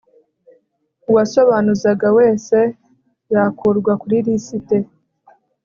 uwasobanuzaga wese yakurwa kuri lisite